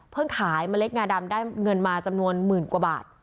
ขายเมล็ดงาดำได้เงินมาจำนวนหมื่นกว่าบาท